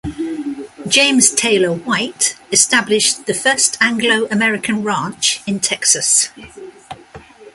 James Taylor White established the first Anglo-American ranch in Texas.